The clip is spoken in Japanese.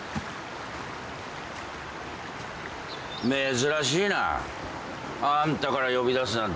珍しいなあんたから呼び出すなんて。